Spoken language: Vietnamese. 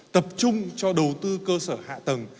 tập trung cho đầu tư cơ sở hạ tầng